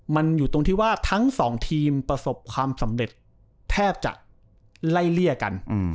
มันอยู่ตรงที่ว่าทั้งสองทีมประสบความสำเร็จแทบจะไล่เลี่ยกัน